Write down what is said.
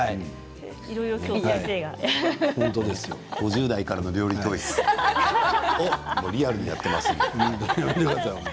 ５０代からの料理教室をリアルにやっていますから。